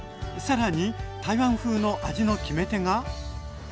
さらに台湾風の味の決め手が。